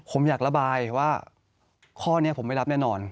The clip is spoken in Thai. ผมอยากระบายว่าข้อนี้ผมไม่รับแน่นอน